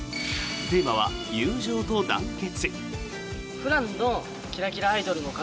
テーマは友情と団結。